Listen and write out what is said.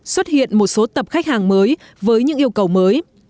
xuất hiện một số tập khách hàng mới với những yêu cầu mới